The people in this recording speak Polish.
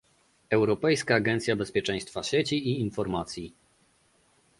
Europejska Agencja Bezpieczeństwa Sieci i Informacji